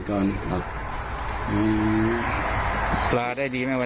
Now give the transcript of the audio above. ต้องหลงม้าหลงม้าก่อน